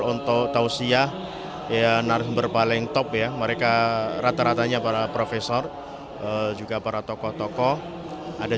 untuk tausiyah ya narasumber paling top ya mereka rata ratanya para profesor juga para tokoh tokoh ada